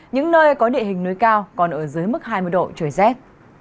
những nơi có địa hình núi cao còn ở dưới mức hai mươi độ trời rét